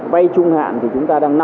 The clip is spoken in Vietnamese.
vay trung hạn thì chúng ta đang